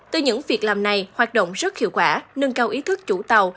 từ những việc làm này hoạt động rất hiệu quả nâng cao ý thức chủ tàu